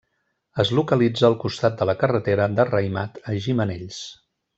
Es localitza al costat de la carretera de Raimat a Gimenells.